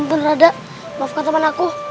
ampun radha maafkan teman aku